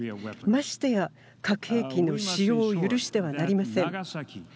ましてや核兵器の使用を許してはなりません。